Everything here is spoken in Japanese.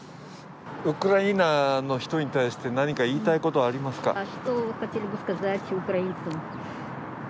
ウクライナの人に対して何か言いたいことはありますか。